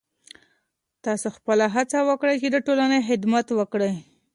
تاسو خپله هڅه وکړئ چې د ټولنې خدمت وکړئ.